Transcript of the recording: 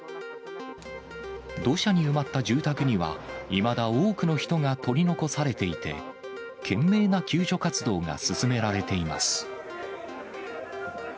土砂に埋まった住宅には、いまだ多くの人が取り残されていて、懸命な救助活動が進められています。